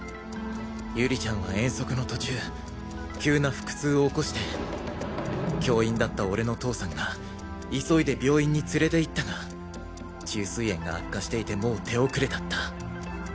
有里ちゃんは遠足の途中急な腹痛を起こして教員だった俺の父さんが急いで病院に連れて行ったが虫垂炎が悪化していてもう手遅れだった。